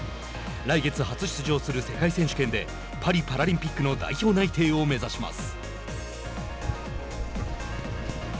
来月、初出場する世界選手権でパリパラリンピックの代表内定を目指します。